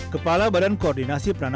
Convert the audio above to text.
kepala badan koordinasi peranakerti